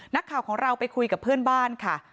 นักข่าวของเราไปคุยกับเพื่อนบ้านค่ะ